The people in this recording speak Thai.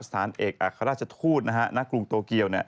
สถานเอกอาคาราชทูตนะครับณกรุงโตเกียว